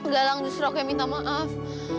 galang justru aku yang minta maaf